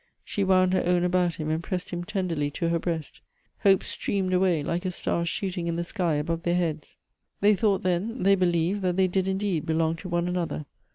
She wound her own about him, and pressed him tenderly to her breast. Hope streamed away, like a star shooting in the sky, above their heads. They thought then, they believed, that they did indeed belong to one another.